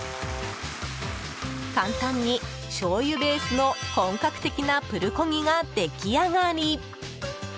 簡単にしょうゆベースの本格的なプルコギが出来上がり！